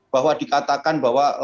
bahwa dikatakan bahwa